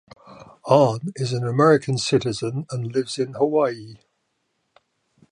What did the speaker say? Ahn is an American citizen and lives in Hawaii.